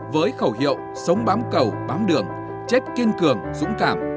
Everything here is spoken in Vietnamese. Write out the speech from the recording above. với khẩu hiệu sống bám cầu bám đường chết kiên cường dũng cảm